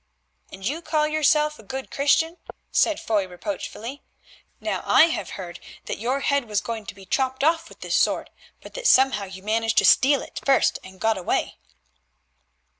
"And you call yourself a good Christian," said Foy reproachfully. "Now I have heard that your head was going to be chopped off with this sword, but that somehow you managed to steal it first and got away."